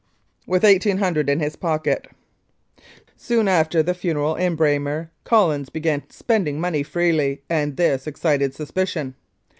"WITH $1,800 IN His POCKET "Soon after the funeral in Braymer, Collins began spending money freely, and this excited suspicion.